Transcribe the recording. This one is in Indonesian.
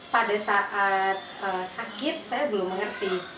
pada saat sakit saya belum mengerti